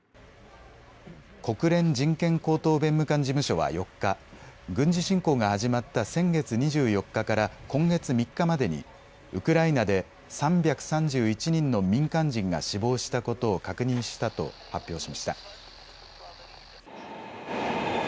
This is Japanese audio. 国連人権高等弁務官事務所は４日、軍事侵攻が始まった先月２４日から今月３日までにウクライナで３３１人の民間人が死亡したことを確認したと発表しました。